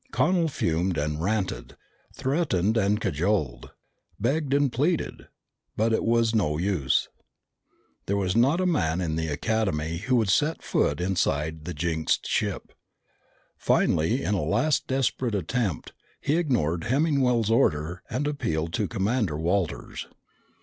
Connel fumed and ranted, threatened and cajoled, begged and pleaded, but it was no use. There was not a man in the Academy who would set foot inside the "jinxed" ship. Finally, in a last desperate attempt, he ignored Hemmingwell's order and appealed to Commander Walters.